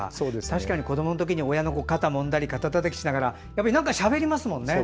確かに子どものころ、親の肩をもんだり、肩たたきしながら何かしゃべりますもんね。